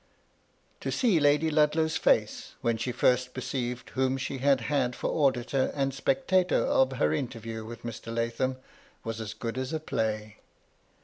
To see Lady Ludlow's face when she first perceived whom she had 60 MY LADY LtJDLOW. had for auditor and spectator of her interview with Mr. Lathom, was as good as a play.